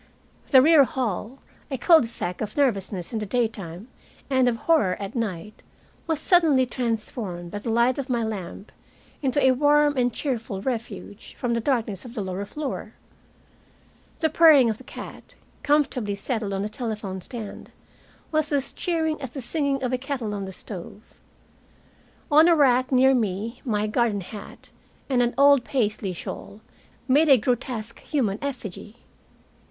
The rear hall, a cul de sac of nervousness in the daytime and of horror at night, was suddenly transformed by the light of my lamp into a warm and cheerful refuge from the darkness of the lower floor. The purring of the cat, comfortably settled on the telephone stand, was as cheering as the singing of a kettle on a stove. On the rack near me my garden hat and an old Paisley shawl made a grotesque human effigy.